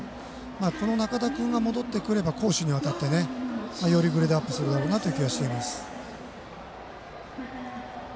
この仲田君が戻ってくれば攻守にわたってよりグレードアップをするだろうなという気がします。